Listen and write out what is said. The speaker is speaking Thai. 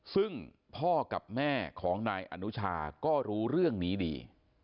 ซึ่งพ่อกับแม่ของนายอนุชาก็รู้เรื่องนี้ดี